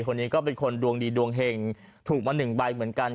คนนี้ก็เป็นคนดวงดีดวงเห็งถูกมา๑ใบเหมือนกัน